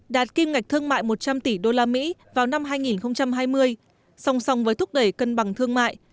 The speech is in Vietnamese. đạt kim ngạch thương mại một trăm linh tỷ usd vào năm hai nghìn hai mươi song song với thúc đẩy cân bằng thương mại